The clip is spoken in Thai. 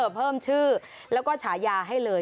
เพิ่มชื่อแล้วก็ฉายาให้เลย